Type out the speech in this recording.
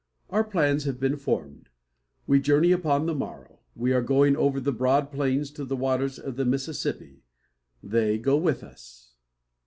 Our plans have been formed; we journey upon the morrow; we are going over the broad plains to the waters of the Mississippi. They go with us.